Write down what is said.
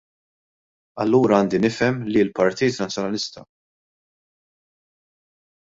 Allura għandi nifhem li l-Partit Nazzjonalista.